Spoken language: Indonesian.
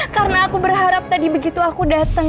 karena aku berharap tadi begitu aku dateng